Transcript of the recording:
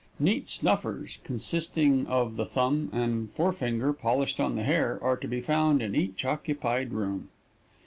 Neat snuffers, consisting of the thumb and forefinger polished on the hair, are to be found in each occupied room.